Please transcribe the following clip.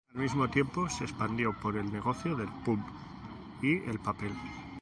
Al mismo tiempo se expandió por el negocio del pulp y el papel.